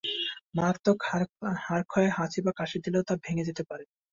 মারাত্মক হাড়ক্ষয়ে হাঁচি বা কাশি দিলেও তা ভেঙে যেতে পারে।